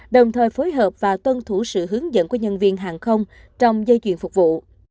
đồng thời phối hợp và tuân thủ sự hướng dẫn của nhân viên hàng không trong dây chuyền phục vụ